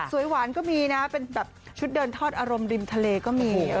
หวานก็มีนะเป็นแบบชุดเดินทอดอารมณ์ริมทะเลก็มี